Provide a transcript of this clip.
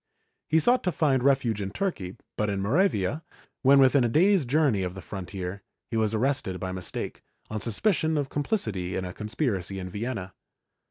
He sought to find refuge in Turkey, but in Moravia, when within a day's journey of the frontier, he was arrested by mistake, on suspicion of comphcity in a conspiracy in Vienna.